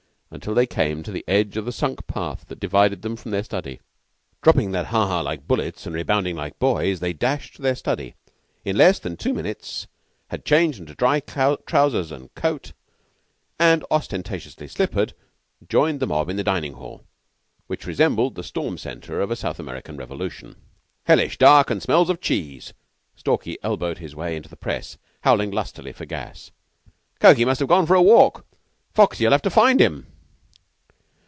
till they came to the edge of the sunk path that divided them from their study. Dropping that ha ha like bullets, and rebounding like boys, they dashed to their study, in less than two minutes had changed into dry trousers and coat, and, ostentatiously slippered, joined the mob in the dining hall, which resembled the storm centre of a South American revolution. "'Hellish dark and smells of cheese.'" Stalky elbowed his way into the press, howling lustily for gas. "Cokey must have gone for a walk. Foxy'll have to find him."